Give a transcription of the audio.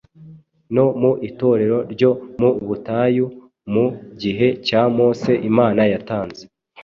No mu Itorero ryo mu butayu, mu gihe cya Mose, Imana yatanze